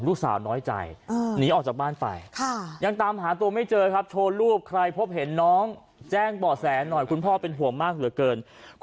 ลูกสาวน้อยใจหนีออกจากบ้านไป